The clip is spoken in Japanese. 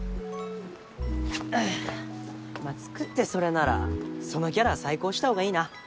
んまぁ作ってそれならそのキャラは再考した方がいいな。